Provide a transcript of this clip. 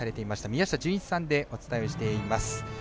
宮下純一さんでお伝えをしています。